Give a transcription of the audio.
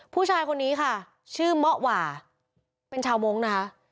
ผู้ชายคนนี้ค่ะชื่อเมาะหว่าเป็นชาวมงค์นะคะ